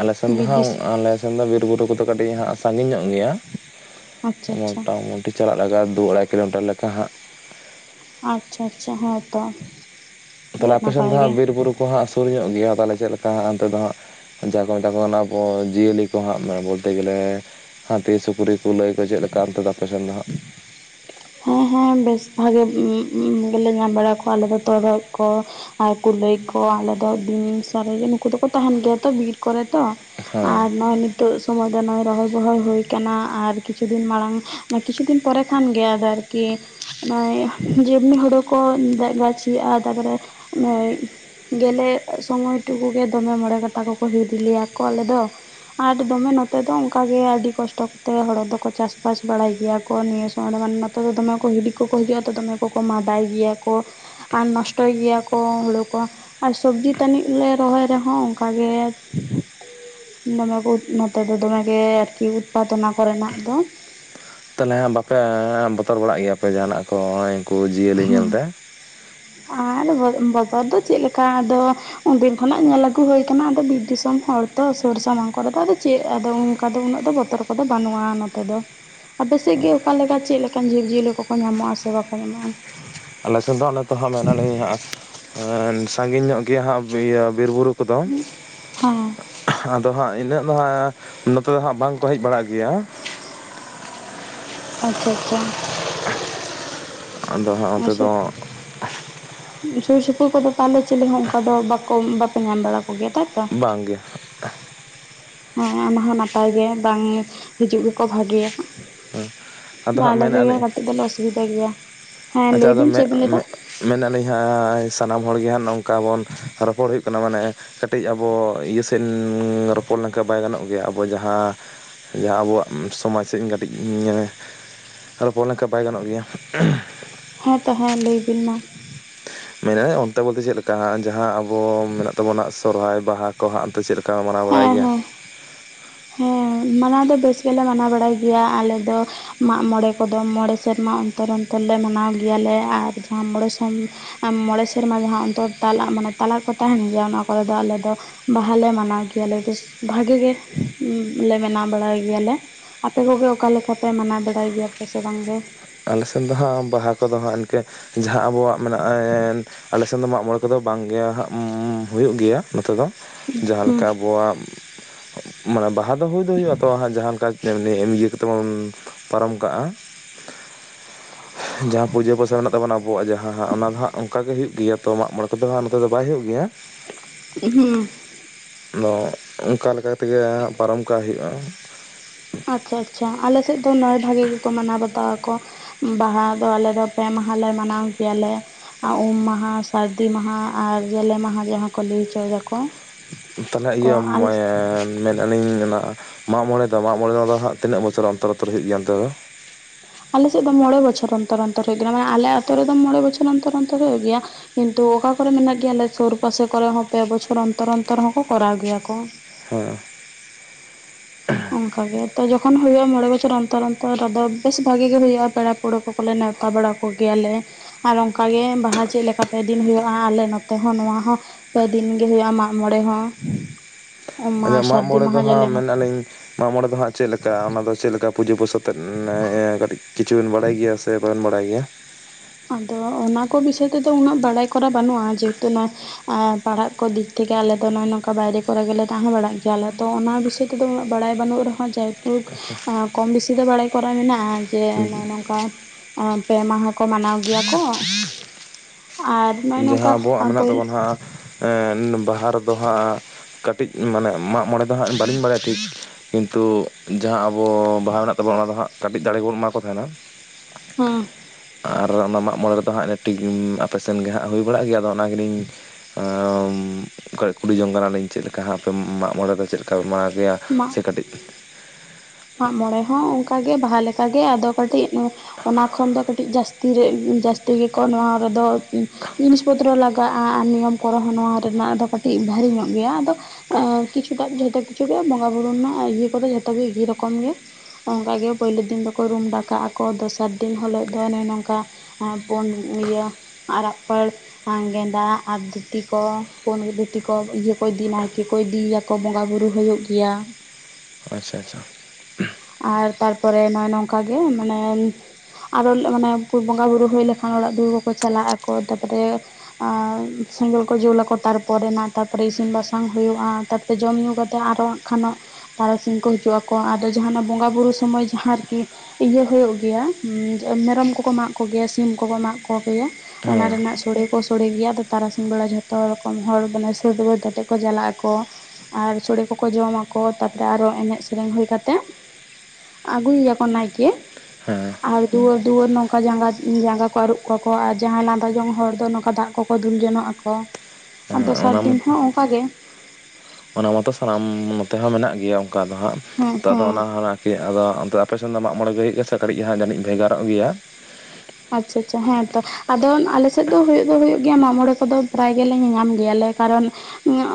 ᱟᱞᱮ ᱥᱮᱱ ᱫᱚ ᱵᱤᱨ ᱦᱟᱸᱜ ᱫᱤᱥ ᱟᱞᱮ ᱵᱤᱨ ᱵᱩᱨᱩ ᱠᱚᱫᱚ ᱠᱟᱹᱴᱤᱡ ᱦᱟᱸᱜ ᱥᱟᱺᱜᱤᱧ ᱧᱚᱜ ᱜᱮᱭᱟ ᱟᱪᱪᱷᱟ ᱾ ᱟᱪᱪᱷᱟ ᱢᱚᱴᱟᱢᱚ ᱪᱟᱞᱟᱜ ᱞᱟᱜᱟᱜᱼᱟ ᱫᱩ ᱟᱲᱟᱭ ᱠᱤᱞᱳᱢᱤᱴᱟᱨ ᱞᱮᱠᱟ ᱦᱟᱸᱜ᱾ ᱟᱪᱪᱷᱟ ᱟᱪᱪᱷᱟ ᱦᱮᱸ ᱛᱚ᱾ ᱛᱟᱦᱞᱮ ᱵᱚᱦᱩᱛ ᱟᱯᱮ ᱥᱮᱱ ᱱᱟᱯᱟᱭ ᱫᱚ ᱜᱮ ᱦᱟᱸᱜ ᱵᱤᱨᱵᱩᱨᱩ ᱠᱚ ᱦᱟᱸᱜ ᱥᱩᱨ ᱧᱚᱜ ᱜᱮᱭᱟ ᱛᱟᱦᱞᱮ ᱪᱮᱫ ᱞᱮᱠᱟ ᱦᱟᱸᱜ ᱚᱱᱛᱮ ᱫᱚ ᱦᱟᱸᱜ ᱡᱟᱦᱟᱸ ᱠᱚ ᱢᱮᱛᱟ ᱠᱚ ᱠᱟᱱᱟ ᱠᱚ ᱡᱤᱭᱟᱹᱞᱤ ᱠᱚ ᱦᱟᱸᱜ ᱢᱟᱱᱮ ᱵᱚᱞᱛᱮ ᱜᱮᱞᱮ ᱦᱟᱹᱛᱤ ᱥᱩᱠᱨᱤ ᱠᱚᱞᱟᱹᱭ ᱠᱚ ᱪᱮᱫ ᱞᱮᱠᱟ ᱚᱱᱛᱮ ᱫᱚ ᱟᱯᱮᱥᱮᱱ ᱫᱚ ᱦᱟᱸᱜ? ᱦᱮᱸ ᱦᱮᱸ ᱵᱮᱥ ᱵᱷᱟᱜᱮ ᱜᱮᱞᱮ ᱧᱟᱢ ᱵᱟᱲᱟ ᱠᱚᱣᱟ ᱟᱞᱮ ᱫᱚ ᱛᱚᱨᱚᱡ ᱠᱚ ᱟᱨ ᱠᱩᱞᱟᱹᱭ ᱠᱚ ᱟᱞᱮ ᱫᱚ ᱫᱤᱱ ᱥᱟᱨᱜᱮ ᱱᱩᱠᱩ ᱫᱚᱠᱚ ᱛᱟᱦᱮᱸᱱ ᱜᱮᱭᱟ ᱛᱚ ᱵᱤᱨ ᱠᱚᱨᱮ ᱛᱚ᱾ ᱦᱮᱸ᱾ ᱟᱨ ᱱᱚᱜᱚᱭ ᱱᱤᱛᱚᱜ ᱥᱚᱢᱚᱭ ᱫᱚ ᱱᱚᱜᱚᱭ ᱨᱚᱦᱚᱭ ᱵᱚᱦᱚᱭ ᱦᱩᱭ ᱠᱟᱱᱟ ᱟᱨ ᱠᱤᱪᱷᱩ ᱫᱤᱱ ᱢᱟᱲᱟᱝ ᱠᱤᱪᱷᱩ ᱫᱤᱱ ᱯᱚᱨᱮ ᱠᱷᱟᱱ ᱜᱮ ᱟᱫᱚ ᱟᱨᱠᱤ ᱨᱚᱦᱚᱭ ᱦᱩᱭᱩᱜᱟ ᱡᱮᱢᱱᱤ ᱦᱩᱲᱩ ᱠᱚ ᱜᱟ ᱜᱟᱪᱷᱤ ᱭᱟ ᱛᱟᱨᱯᱚᱨᱮ ᱱᱚᱭ ᱜᱮᱞᱮ ᱥᱚᱢᱚᱭ ᱴᱩᱠᱩ ᱜᱮ ᱫᱚᱢᱮ ᱢᱚᱬᱮ ᱠᱚᱠᱚ ᱦᱤᱨᱤ ᱞᱮᱭᱟ ᱠᱚ ᱟᱞᱮ ᱫᱚ᱾ ᱟᱴ ᱫᱚᱢᱮ ᱱᱚᱛᱮ ᱫᱚ ᱚᱱᱠᱟ ᱜᱮ ᱟᱹᱰᱤ ᱠᱚᱥᱴᱚ ᱠᱟᱛᱮ ᱦᱚᱲ ᱫᱚᱠᱚ ᱪᱟᱥ ᱵᱟᱥ ᱵᱟᱲᱟᱭ ᱜᱮᱭᱟ ᱠᱚ ᱱᱤᱭᱟᱹ ᱥᱚᱢᱚᱭ ᱫᱚ ᱢᱟᱱ ᱱᱚᱛ ᱛᱮᱫᱚ ᱫᱚᱢᱮ ᱠᱚ ᱦᱤᱲᱤ ᱠᱚᱠᱚ ᱦᱤᱡᱩᱜᱼᱟ ᱛᱚ ᱫᱚᱢᱮ ᱠᱚ ᱢᱟᱰᱟᱭ ᱜᱮᱭᱟ ᱠᱚ ᱟᱨ ᱱᱚᱥᱴᱚᱭ ᱜᱮᱭᱟ ᱠᱚ ᱦᱩᱲᱩ ᱠᱚ᱾ ᱟᱨ ᱥᱚᱵᱽᱡᱤ ᱛᱟᱹᱱᱤᱡ ᱞᱮ ᱨᱚᱦᱚᱭ ᱨᱮᱦᱚᱸ ᱚᱱᱠᱟᱜᱮ ᱫᱚᱢᱮ ᱠᱚ ᱱᱚᱛᱮ ᱫᱚ ᱫᱚᱢᱮ ᱜᱮ ᱟᱨᱠᱤ ᱩᱛᱯᱟᱫᱱᱟ ᱠᱚᱨᱮᱱᱟᱜ ᱫᱚ᱾ ᱛᱟᱦᱚᱞᱮ ᱦᱟᱸᱜ ᱵᱟᱯᱮ ᱵᱚᱛᱚᱨ ᱵᱟᱲᱟᱜ ᱜᱮᱭᱟᱯᱮ ᱡᱟᱦᱟᱱᱟᱜ ᱠᱚ ᱱᱚᱜᱼᱚᱭ ᱩᱱᱠᱩ ᱡᱤᱭᱟᱹᱞᱤ ᱧᱮᱞᱛᱮ? ᱟᱨ ᱵᱚᱫ ᱵᱚᱛᱚᱨ ᱫᱚ ᱪᱮᱫ ᱞᱮᱠᱟ ᱟᱫᱚ ᱩᱱᱫᱤᱱ ᱠᱷᱚᱱᱟᱜ ᱧᱮᱞ ᱟᱹᱜᱩ ᱦᱩᱭ ᱠᱟᱱᱟ ᱟᱫᱚ ᱵᱤᱨ ᱫᱤᱥᱚᱢ ᱦᱚᱲ ᱛᱚ ᱥᱩᱨ ᱥᱟᱢᱟᱝ ᱠᱚᱨᱮ ᱫᱚ ᱟᱫᱚ ᱪᱮᱫ ᱟᱫᱚ ᱚᱱᱠᱟ ᱫᱚ ᱩᱱᱟᱹᱜ ᱫᱚ ᱵᱚᱛ ᱛᱚᱨ ᱠᱚᱫᱚ ᱵᱟᱹᱱᱩᱜᱼᱟ ᱱᱚᱛᱮ ᱫᱚ᱾ ᱟᱯᱮᱥᱮᱫ ᱜᱮ ᱚᱠᱟ ᱞᱮᱠᱟ ᱪᱮᱫ ᱞᱮᱠᱟᱱ ᱡᱤᱵᱽᱼᱡᱤᱭᱟᱹᱞᱤ ᱠᱚᱠᱚ ᱧᱟᱢᱚᱜᱼᱟ ᱥᱮ ᱵᱟᱠᱚ ᱧᱟᱢᱚᱜᱼᱟ? ᱟᱞᱮ ᱥᱮᱱ ᱫᱚ ᱢᱮᱱᱟᱜ ᱞᱤᱜᱤᱫ ᱦᱟᱸᱜ ᱥᱟᱺᱜᱤᱧ ᱧᱚᱜ ᱜᱮᱭᱟ ᱦᱟᱸᱜ ᱤᱭᱟᱹ ᱵᱤᱨ ᱵᱩᱨᱩ ᱠᱩᱫᱚ ᱦᱮᱸ ᱟᱫᱚ ᱦᱟᱸᱜ ᱤᱱᱟᱹᱜ ᱫᱚ ᱦᱟᱸᱜ ᱱᱚᱛᱮ ᱫᱚ ᱦᱟᱸᱜ ᱵᱟᱝᱠᱚ ᱦᱮᱡ ᱵᱟᱲᱟᱜ ᱜᱮᱭᱟ᱾ ᱟᱪᱪᱷᱟ ᱟᱪᱪᱷᱟ ᱟᱫᱚ ᱦᱟᱸᱜ ᱚᱱᱛᱮ ᱫᱚ [unintelligible] ᱥᱩᱨ ᱥᱩᱯᱩᱨ ᱠᱚᱫᱚ ᱛᱦᱟᱞᱮ ᱪᱤᱞᱤ ᱦᱚᱸ ᱚᱱᱠᱟ ᱫᱚ ᱵᱟᱠᱚ ᱵᱟᱯᱮ ᱧᱟᱢ ᱵᱟᱲᱟ ᱠᱚᱜᱮᱭᱟ ᱛᱟᱭᱛᱚ? ᱵᱟᱝ ᱜᱮ ᱦᱮᱸ ᱚᱱᱟ ᱦᱚᱸ ᱱᱟᱯᱟᱭ ᱜᱮ ᱵᱟᱝ ᱦᱤᱡᱩᱜ ᱜᱮᱠᱚ ᱵᱷᱟᱜᱮᱭᱟ ᱦᱟᱜ᱾ ᱟᱫᱚ ᱵᱟ ᱦᱟᱸᱜ ᱟᱞᱮ ᱢᱮᱱᱮᱫᱼᱟ ᱠᱚᱜᱮ ᱞᱤᱧ ᱠᱟᱹᱴᱤᱡ ᱫᱚᱞᱮ ᱚᱥᱩᱵᱤᱫᱟ ᱜᱮᱭᱟ᱾ ᱦᱮᱸ ᱞᱟᱹᱭ ᱵᱤᱱ ᱪᱮᱫ ᱵᱤᱱ ᱞᱟᱹᱭ ᱫᱟ? ᱢᱮᱱᱟᱞᱤᱧ ᱦᱟᱸᱜ ᱥᱟᱱᱟᱢ ᱦᱚᱲᱜᱮ ᱦᱟᱸᱜ ᱱᱚᱝᱠᱟ ᱵᱚᱱ ᱨᱚᱯᱚᱲ ᱦᱩᱭᱩᱜ ᱠᱟᱱᱟ ᱢᱟᱱᱮ ᱠᱟᱹᱴᱤᱡ ᱟᱵᱚ ᱤᱭᱟᱹ ᱥᱮᱱ ᱨᱚᱯᱚᱲ ᱞᱮᱱᱠᱷᱟᱱ ᱵᱟᱭ ᱜᱟᱱᱚᱜ ᱜᱮᱭᱟ ᱟᱵᱚ ᱡᱟᱦᱟᱸ ᱡᱟᱦᱟᱸ ᱟᱵᱚᱣᱟᱜ ᱥᱚᱢᱟᱡᱽ ᱥᱮᱫ ᱠᱟᱹᱴᱤᱡ ᱧᱮ ᱨᱚᱯᱚᱲ ᱞᱮᱱᱠᱷᱟᱱ ᱵᱟᱭ ᱜᱟᱱᱚᱜ ᱜᱮᱭᱟ? ᱦᱮᱸ ᱛᱚ ᱦᱮᱸ ᱞᱟᱹᱭ ᱵᱤᱱ ᱢᱟ᱾ ᱢᱮᱱᱮᱜ ᱚᱱᱛᱮ ᱵᱚᱞᱛᱮ ᱪᱮᱫ ᱞᱮᱠᱟ ᱦᱟᱜ ᱡᱟᱦᱟᱸ ᱟᱵᱚ ᱢᱮᱱᱟᱜ ᱛᱟᱵᱚᱱᱟ ᱥᱚᱨᱦᱟᱭ, ᱵᱟᱦᱟ ᱠᱚ ᱦᱟᱸᱜ ᱚᱱᱛᱮ ᱪᱮᱫ ᱠᱟ ᱢᱟᱱᱟᱣ ᱵᱟᱲᱟᱭ ᱦᱮᱸ ᱜᱮᱭᱟ ᱦᱮᱸ ᱦᱮᱸ ᱢᱟᱱᱟᱣ ᱫᱚ ᱵᱮᱥ ᱜᱮᱞᱮ ᱢᱟᱱᱟᱣ ᱵᱟᱲᱟᱭ ᱜᱮᱭᱟ ᱟᱞᱮ ᱫᱚ᱾ ᱢᱟᱜ ᱢᱚᱬᱮ ᱠᱚᱫᱚ ᱢᱚᱬᱮ ᱥᱮᱨᱢᱟ ᱚᱱᱛᱚᱨ ᱚᱱᱛᱚᱨ ᱞᱮ ᱢᱟᱱᱟᱣ ᱜᱮᱭᱟᱞᱮ ᱟᱨ ᱡᱟᱦᱟᱸ ᱢᱚᱬᱮ ᱥᱚᱢ ᱢᱚᱬᱮ ᱥᱮᱨᱢᱟ ᱡᱟᱦᱟᱸ ᱚᱱᱛᱚᱨ ᱛᱟᱞᱟ ᱢᱟᱱᱮ ᱛᱟᱞᱟ ᱠᱚ ᱛᱟᱦᱮᱸᱱ ᱜᱮᱭᱟ ᱚᱱᱟ ᱠᱚᱨᱮ ᱫᱚ ᱟᱞᱮ ᱫᱚ ᱵᱟᱦᱟᱞᱮ ᱢᱟᱱᱟᱣ ᱜᱮᱭᱟᱞᱮ ᱵᱮᱥ ᱵᱷᱟᱜᱤ ᱜᱮ᱾ ᱩ ᱞᱮ ᱢᱟᱱᱟᱣ ᱵᱟᱲᱟᱭ ᱜᱮᱭᱟᱞᱮ, ᱟᱯᱮ ᱠᱚᱜᱮ ᱚᱠᱟ ᱞᱮᱠᱟᱯᱮ ᱢᱟᱱᱟᱣ ᱵᱟᱲᱟᱭ ᱜᱮᱭᱟ ᱯᱮᱥᱮ ᱵᱟᱝᱜᱮ? ᱟᱞᱮ ᱥᱮᱱ ᱫᱚ ᱦᱟᱸᱜ ᱵᱟᱦᱟ ᱠᱚᱫᱚ ᱦᱟᱸᱜ ᱤᱱᱠᱟᱹ ᱡᱟᱦᱟᱸ ᱟᱵᱚᱣᱟᱜ ᱢᱮᱱᱟᱜᱼᱟ ᱮᱱ ᱟᱞᱮ ᱥᱮᱱ ᱫᱚ ᱢᱟᱜ ᱢᱚᱬᱮ ᱠᱚᱫᱚ ᱵᱟᱝ ᱜᱮ ᱦᱟᱜ ᱦᱩᱭᱩᱜ ᱜᱮᱭᱟ ᱱᱚᱛᱮ ᱫᱚ ᱡᱟᱦᱟᱸ ᱦᱩᱸ ᱞᱮᱠᱟ ᱟᱵᱚᱣᱟᱜ ᱢᱟᱱᱮ ᱵᱟᱦᱟ ᱫᱚ ᱦᱩᱭ ᱫᱚ ᱦᱩᱭᱩᱜᱼᱟ ᱛᱚ ᱦᱟᱸᱜ ᱡᱟᱦᱟᱸ ᱞᱮᱠᱟ ᱫᱮᱢᱱᱤ ᱮᱢᱱᱤ ᱮᱢ ᱤᱭᱟᱹ ᱠᱚᱛᱮ ᱵᱚᱱ ᱯᱟᱨᱚᱢ ᱠᱟᱜᱼᱟ᱾ ᱡᱟᱦᱟᱸ ᱯᱩᱡᱟᱹ ᱯᱟᱥᱟ ᱢᱮᱱᱟᱜ ᱛᱟᱵᱚᱱᱟ ᱟᱵᱚᱣᱟᱜ ᱡᱟᱦᱟᱸ ᱚᱱᱟ ᱫᱚ ᱦᱟᱸᱜ ᱚᱱᱠᱟᱜ ᱜᱮ ᱦᱩᱭᱩᱜ ᱜᱮᱭᱟ ᱛᱚ ᱢᱟᱜ ᱢᱚᱲᱮ ᱠᱚᱫᱚ ᱦᱟᱸᱜ ᱱᱚᱛᱮ ᱫᱚ ᱵᱟᱭ ᱦᱩᱭᱩᱜ ᱜᱮᱭᱟ᱾ ᱦᱩᱸ ᱟᱫᱚ ᱚᱱᱠᱟ ᱞᱮᱠᱟ ᱛᱮᱜᱮ ᱯᱟᱨᱚᱢ ᱠᱟᱜ ᱦᱩᱭᱩᱜᱼᱟ᱾ ᱟᱪᱪᱷᱟ ᱟᱪᱪᱷᱟ ᱟᱞᱮᱥᱮᱫ ᱫᱚ ᱱᱚᱜᱚᱭ ᱵᱷᱟᱜᱤ ᱜᱮᱠᱚ ᱢᱟᱱᱟᱣ ᱵᱟᱛᱟᱣ ᱟᱠᱚ᱾ ᱵᱟᱦᱟ ᱫᱚ ᱟᱞᱮ ᱫᱚ ᱯᱮ ᱢᱟᱦᱟᱞᱮ ᱢᱟᱱᱟᱣ ᱜᱮᱭᱟᱞᱮ᱾ ᱩᱢ ᱢᱟᱦᱟ, ᱥᱟᱹᱨᱫᱤ ᱢᱟᱦᱟ, ᱟᱨ ᱡᱟᱞᱮ ᱢᱟᱦᱟ ᱡᱟᱦᱟᱸ ᱠᱚ ᱞᱟᱹᱭ ᱦᱚᱪᱚᱭ ᱫᱟᱠᱚ᱾ ᱛᱟᱦᱚᱞᱮ ᱛᱚ ᱤᱭᱟᱹ ᱟᱞᱮ ᱢᱚᱭᱮᱼᱼ ᱢᱮᱱ ᱟᱹᱞᱤᱧ ᱚᱱᱟ ᱢᱟᱜ ᱢᱚᱬᱮ ᱫᱚ ᱢᱟᱜ ᱢᱚᱬᱮ ᱫᱚ ᱦᱟᱸᱜ ᱛᱤᱱᱟᱹᱜ ᱵᱚᱪᱷᱚᱨ ᱚᱱᱛᱚᱨ ᱚᱱᱛᱚᱨ ᱦᱩᱭᱩᱜ ᱜᱮᱭᱟ ᱟᱱᱛᱮ ᱫᱚ? ᱟᱞᱮ ᱥᱮᱫ ᱫᱚ ᱢᱚᱬᱮ ᱵᱚᱪᱷᱚᱨ ᱚᱱᱛᱚᱨ ᱚᱱᱛᱚᱨ ᱦᱩᱭᱩᱜ ᱠᱟᱱᱟ ᱢᱟᱱᱮ ᱟᱞᱮ ᱟᱛᱳ ᱨᱮᱫᱚ ᱢᱚᱬᱮᱸ ᱵᱚᱪᱷᱚᱨ ᱚᱱᱛᱚᱨ ᱚᱱᱛᱚᱨ ᱦᱩᱭᱩᱜ ᱜᱮᱭᱟ। ᱠᱤᱱᱛᱩ ᱚᱠᱟ ᱠᱚᱨᱮ ᱢᱮᱱᱟᱜ ᱜᱮᱭᱟ ᱟᱞᱮ ᱥᱩᱨ ᱯᱟᱥᱮ ᱠᱚᱨᱮ ᱦᱚᱸ ᱯᱮ ᱵᱚᱪᱷᱚᱨ ᱚᱱᱛᱚᱨ ᱚᱱᱛᱚᱨ ᱦᱚᱸᱠᱚ ᱠᱚᱨᱟᱣ ᱜᱮᱭᱟ ᱠᱚ ᱾ ᱦᱮᱸ ᱚᱱᱠᱟ ᱜᱮ, ᱛᱚ ᱡᱚᱠᱷᱚᱱ ᱦᱩᱭᱩᱜ ᱟ ᱢᱚᱬᱮ ᱵᱚᱪᱷᱚᱨ ᱚᱱᱛᱚᱨ ᱚᱱᱛᱚᱨ ᱨᱮᱫᱚ ᱵᱮᱥ ᱵᱷᱟᱜᱤ ᱜᱮ ᱦᱳᱭᱳᱼᱟ ᱯᱮᱲᱟ ᱟᱲᱟᱹ ᱠᱚᱠᱚᱞᱮ ᱱᱮᱣᱛᱟ ᱵᱟᱲᱟ ᱠᱚᱜᱮᱭᱟᱞᱮ ᱾ ᱟᱨ ᱚᱱᱠᱟᱜᱮ ᱵᱟᱦᱟ ᱪᱮᱫ ᱞᱮᱠᱟ ᱯᱮ ᱫᱤᱱ ᱦᱩᱭᱩᱜᱼᱟ ᱟᱞᱮ ᱱᱚᱛᱮ ᱦᱚᱸ ᱱᱚᱣᱟ ᱦᱚᱸ ᱯᱮ ᱫᱤᱱ ᱜᱮ ᱦᱩᱭᱩᱜᱼᱟ ᱢᱟᱜ ᱢᱚᱲᱮ ᱦᱚᱸ ᱾ ᱟᱪᱷᱟ ᱢᱟᱜᱢᱚᱬᱮ ᱫᱚ ᱦᱟᱸᱜ ᱢᱮᱱᱮᱜ ᱞᱤᱧ ᱢᱟᱜ ᱢᱚᱬᱮ ᱫᱚ ᱦᱟᱸᱜ ᱪᱮᱫ ᱞᱮᱠᱟ ᱚᱱᱟ ᱫᱚ ᱪᱮᱫ ᱞᱮᱠᱟ ᱯᱩᱡᱟᱹ ᱯᱩᱥᱟ ᱛᱮᱫ ᱠᱟᱹᱴᱤᱡ ᱠᱤᱪᱷᱩᱵᱤᱱ ᱵᱟᱲᱟᱭ ᱜᱮᱭᱟ ᱥᱮ ᱵᱟᱵᱮᱱ ᱵᱟᱲᱟᱭ ᱜᱮᱭᱟ? ᱟᱫᱚ ᱚᱱᱟ ᱠᱚ ᱵᱤᱥᱚᱭ ᱛᱮᱫᱚ ᱩᱱᱟᱹᱜ ᱵᱟᱲᱟᱭ ᱠᱚᱨᱟ ᱵᱟᱹᱱᱩᱜᱼᱟ ᱡᱮᱦᱮᱛᱩ ᱚᱱᱟ ᱯᱟᱲᱦᱟᱜ ᱠᱚ ᱫᱤᱠ ᱛᱷᱮ ᱟᱞᱮ ᱫᱚ ᱱᱚᱜᱼᱚᱭ ᱱᱚᱝᱠᱟ ᱵᱟᱭᱨᱮ ᱠᱚᱨᱮ ᱜᱮᱞᱮ ᱛᱟᱦᱮᱸ ᱵᱟᱲᱟᱜ ᱜᱮᱭᱟᱞᱮ ᱛᱚ ᱚᱱᱟ ᱵᱤᱥᱚᱭ ᱛᱮ ᱛᱮᱫ ᱫᱚ ᱵᱟᱲᱟᱭ ᱵᱟᱹᱱᱩᱜ ᱨᱮᱦᱚᱸ ᱡᱟᱭ ᱛᱩᱠ ᱠᱚᱢ ᱵᱮᱥᱤ ᱫᱚ ᱵᱟᱲᱟᱭ ᱠᱚᱨᱟ ᱢᱮᱱᱟᱜᱼᱟ ᱡᱮ ᱱᱚᱜᱼᱚᱭ ᱱᱚᱝᱠᱟ ᱯᱮ ᱢᱟᱦᱟ ᱠᱚ ᱢᱟᱱᱟᱣ ᱜᱮᱭᱟ ᱠᱚ ᱟᱨ ᱱᱚᱜᱼᱚᱭ ᱱᱚᱝᱠᱟ ᱡᱟᱦᱟᱸ ᱟᱵᱚᱣᱟᱜ ᱢᱮᱱᱟᱜ ᱯᱳᱭᱞᱳ ᱛᱟᱵᱚᱱᱟ ᱦᱟᱸᱜ ᱵᱟᱦᱟ ᱨᱮ ᱫᱚ ᱦᱟᱸᱜ ᱠᱟᱹᱴᱤᱡ ᱢᱟᱱᱮ ᱢᱟᱜ ᱢᱚᱬᱮ ᱫᱚ ᱦᱟᱸᱜ ᱵᱟᱹᱞᱤᱧ ᱵᱟᱲᱟᱭᱟ ᱴᱷᱤᱠ ᱠᱤᱱᱛᱩ ᱡᱟᱦᱟᱸ ᱟᱵᱚ ᱵᱟᱦᱟ ᱢᱮᱱᱟᱜ ᱛᱟᱵᱚᱱᱟ ᱚᱱᱟ ᱫᱚ ᱦᱟᱸᱜ ᱠᱟᱹᱴᱤᱡ ᱫᱟᱲᱮ ᱵᱚᱱ ᱮᱢᱟ ᱠᱚ ᱛᱟᱦᱮᱱᱟ ᱦᱩᱸ᱾ ᱟᱨ ᱚᱱᱟ ᱢᱟᱜ ᱢᱚᱬᱮ ᱨᱮᱫᱚ ᱦᱟᱸᱜ ᱠᱟᱴᱤᱡ ᱟᱯᱮ ᱥᱮᱱ ᱜᱮ ᱦᱟᱸᱜ ᱦᱩᱭ ᱵᱟᱲᱟᱜ ᱜᱮᱭᱟ ᱟᱫᱚ ᱚᱱᱟ ᱜᱮᱞᱤᱧ ᱠᱟᱹᱭ ᱠᱩᱞᱤ ᱡᱚᱝ ᱠᱟᱱᱟᱞᱤᱧ ᱪᱮᱫ ᱞᱮᱠᱟ ᱦᱟᱸᱜ ᱟᱯᱮ ᱢᱟᱜᱽ ᱢᱚᱬᱮ ᱫᱚ ᱪᱮᱫ ᱞᱮᱠᱟᱯᱮ ᱢᱟᱱᱟᱣ ᱜᱮᱭᱟ? ᱢᱟᱜ ᱥᱮ ᱠᱟᱹᱴᱤᱡ ᱢᱟᱜ ᱢᱚᱬᱮ ᱦᱚᱸ ᱚᱱᱠᱟᱜᱮ ᱵᱟᱦᱟ ᱞᱮᱠᱟᱜᱮ ᱟᱫᱚ ᱠᱟᱹᱴᱤᱡ ᱚᱱᱟ ᱠᱷᱚᱱ ᱫᱚ ᱠᱟᱹᱴᱤᱡ ᱡᱟᱹᱥᱛᱤ ᱨᱮ ᱡᱟᱹᱥᱛᱤ ᱜᱮᱠᱚ ᱱᱚᱣᱟ ᱨᱮᱫᱚ ᱡᱤᱱᱤᱥ ᱯᱚᱛᱨᱚ ᱞᱟᱜᱟᱜᱼᱟ ᱟᱨ ᱱᱤᱭᱚᱢ ᱠᱚᱨᱮ ᱦᱚᱸ ᱱᱚᱣᱟ ᱨᱮᱱᱟᱜ ᱫᱚ ᱠᱟᱹᱴᱤᱡ ᱵᱷᱟᱹᱜᱤ ᱧᱚᱜ ᱜᱮᱭᱟ ᱟᱫᱚ ᱠᱤᱪᱷᱩᱴᱟ ᱡᱷᱚᱛᱚ ᱠᱤᱪᱷᱩ ᱜᱮ ᱵᱚᱸᱜᱟ ᱵᱩᱨᱩ ᱨᱮᱱᱟᱜ ᱤᱭᱟᱹ ᱠᱚᱫᱚ ᱡᱷᱚᱛᱚ ᱜᱮ ᱮᱠᱤ ᱨᱚᱠᱚᱢ ᱜᱮ ᱾ ᱚᱱᱠᱟ ᱜᱮ ᱯᱳᱭᱞᱳ ᱫᱤᱱ ᱫᱚᱠᱚ ᱨᱩᱢ ᱰᱟᱠᱟᱜ ᱟᱠᱚ ᱫᱚᱥᱟᱨ ᱫᱤᱱ ᱦᱤᱞᱳᱜ ᱫᱚ ᱚᱱᱮ ᱱᱚᱝᱠᱟ ᱯᱚᱱᱰ ᱤᱭᱟᱹ ᱟᱨᱟᱜ ᱯᱟᱹᱲ ᱜᱮᱸᱫᱟᱜ ᱟᱨ ᱫᱷᱩᱛᱤ ᱠᱚ ᱯᱩᱰ ᱜᱮ ᱫᱷᱩᱛᱤ ᱠᱚ ᱤᱭᱟᱹ ᱠᱚ ᱤᱫᱤ ᱱᱟᱭᱠᱮ ᱠᱚ ᱤᱫᱤᱭᱮᱭᱟᱠᱚ ᱵᱚᱸᱜᱟ ᱵᱩᱨᱩ ᱦᱩᱭᱩᱜ ᱜᱮᱭᱟ ᱾ ᱟᱪᱷᱟ ᱟᱪᱷᱟ ᱾ ᱟᱨ ᱛᱟᱨ ᱯᱚᱨᱮ ᱱᱚᱜᱼᱚᱭ ᱱᱚᱝᱠᱟ ᱜᱮ ᱢᱟᱱᱮ ᱟᱨᱚ ᱢᱟᱱᱮ ᱵᱚᱸᱜᱟᱼᱵᱩᱨᱩ ᱦᱩᱭ ᱞᱮᱠᱷᱟᱱ ᱚᱲᱟᱜ ᱫᱩᱣᱟᱹᱨ ᱠᱚᱠᱚ ᱪᱟᱞᱟᱜ ᱟᱠᱚ ᱛᱟᱨᱯᱚᱨᱮ ᱥᱮᱸᱜᱮᱞ ᱠᱚ ᱡᱩᱞᱟᱠᱚ ᱛᱟᱨᱯᱚᱨᱮᱱᱟᱜ ᱛᱟᱯᱚᱨᱮ ᱤᱥᱤᱱ ᱵᱟᱥᱟᱝ ᱦᱩᱭᱩᱜᱼᱟ ᱛᱟᱯᱚᱨᱮ ᱡᱚᱢ ᱧᱩ ᱠᱟᱛᱮ ᱛᱮ ᱟᱨᱚᱜ ᱠᱷᱟᱱᱚᱜ ᱛᱟᱨᱟᱥᱤᱧ ᱠᱚ ᱦᱤᱡᱩᱜ ᱟᱠᱚ ᱟᱫᱚ ᱡᱟᱦᱟᱱᱟᱜ ᱵᱚᱸᱜᱟ ᱵᱳᱩᱨᱩᱳ ᱥᱚᱢᱚᱭ ᱡᱟᱦᱟᱸ ᱨᱮᱠᱤ ᱤᱭᱟᱹ ᱦᱩᱭᱩᱜ ᱜᱮᱭᱟ ᱢᱮᱨᱚᱢ ᱠᱚᱠᱚ ᱢᱟᱜ ᱠᱚᱜᱮᱭᱟ ᱥᱤᱢ ᱠᱚᱠᱚ ᱢᱟᱜ ᱠᱚᱜᱮᱭᱟ ᱾ ᱚᱱᱟ ᱦᱮᱸ ᱨᱮᱱᱟᱜ ᱥᱚᱲᱮ ᱠᱚ ᱥᱚᱲᱮ ᱜᱮᱭᱟ ᱟᱫᱚ ᱛᱟᱨᱟᱥᱤᱧ ᱵᱮᱲᱟ ᱡᱷᱚᱛᱚ ᱨᱚᱠᱚᱢ ᱦᱚᱲ ᱢᱟᱱᱮ ᱥᱟᱹᱫ ᱵᱟᱹᱫᱛᱜ ᱠᱚ ᱪᱟᱞᱟᱜ ᱟᱠᱚ ᱟᱨ ᱥᱳᱚᱲᱮ ᱠᱚᱠᱚ ᱡᱚᱢᱟᱚ ᱛᱟᱨᱯᱚᱨᱮ ᱟᱨᱚ ᱮᱱᱮᱡ ᱥᱮᱨᱮᱧ ᱦᱩᱭ ᱠᱟ ᱠᱟᱛᱮᱫ ᱟᱜᱩᱭᱟᱠᱚ ᱱᱟᱭᱠᱮ ᱦᱮᱸ ᱟᱨ ᱫᱩᱣᱟᱹᱨ ᱫᱩᱣᱟᱹᱨ ᱱᱚᱝᱠᱟ ᱡᱟᱸ ᱡᱟᱸᱜᱟ ᱠᱚ ᱟᱹᱨᱩᱵ ᱠᱚᱣᱟ ᱠᱚ ᱟᱨ ᱡᱟᱦᱟᱸᱭ ᱞᱟᱸᱫᱟ ᱡᱚᱝ ᱦᱚᱲ ᱫᱚ ᱱᱚᱝᱠᱟ ᱫᱟᱜ ᱠᱚ ᱠᱚ ᱫᱩᱞ ᱡᱚᱱᱚᱜ ᱟᱠᱚ ᱟᱨ ᱦᱮᱸ ᱫᱚᱥᱟᱨ ᱚᱱᱟ ᱫᱤᱱ ᱢᱟᱛᱚ ᱦᱚᱸ ᱚᱱᱠᱟ ᱜᱮ ᱚᱱᱟ ᱢᱟᱛᱚ ᱥᱟᱱᱟᱢ ᱱᱚᱛᱮ ᱦᱚᱸ ᱢᱮᱱᱟᱜ ᱜᱮᱭᱟ ᱚᱱᱠᱟ ᱫᱚ ᱦᱟᱸᱜ ᱦᱮᱸ ᱛᱚ ᱟᱫᱚ ᱚᱱᱟ ᱦᱮᱸ ᱦᱚᱸ ᱦᱟᱸᱜ ᱜᱮ ᱟᱫᱚ ᱚᱱᱛᱮ ᱟᱯᱮᱥᱱ ᱫᱚ ᱢᱟᱜ ᱢᱚᱬᱮ ᱜᱮ ᱦᱩᱭᱩᱜ ᱜᱮᱭᱟ ᱥᱮ ᱠᱟᱹᱴᱤᱡ ᱦ ᱡᱟᱹᱱᱤᱡ ᱵᱷᱮᱜᱟᱨᱚᱜ ᱜᱮᱭᱟ? ᱟᱪᱷᱟ ᱟᱪᱷᱟ ᱦᱮᱸ ᱛᱚ ᱾ ᱟᱫᱚ ᱟᱞᱮ ᱥᱮᱫ ᱫᱚ ᱦᱩᱭᱩᱜ ᱫᱚ ᱦᱩᱭᱩᱜ ᱜᱮᱭᱟ ᱢᱟᱜ ᱢᱚᱬᱮ ᱠᱚᱫᱚ ᱯᱨᱟᱭ ᱜᱮᱞᱮ ᱧᱮᱧᱟᱢ ᱜᱮᱭᱟᱞᱮ ᱠᱟᱨᱚᱱ